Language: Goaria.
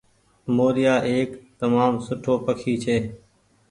موريآ ايڪ تمآم سٺو پکي ڇي۔